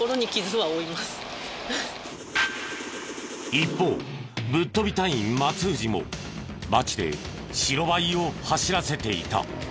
一方ぶっ飛び隊員松藤も街で白バイを走らせていた。